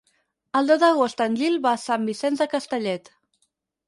El deu d'agost en Gil va a Sant Vicenç de Castellet.